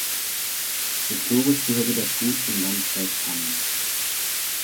Historisch gehörte das Gut zum Landkreis Cammin.